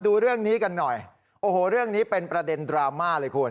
ดูเรื่องนี้กันหน่อยโอ้โหเรื่องนี้เป็นประเด็นดราม่าเลยคุณ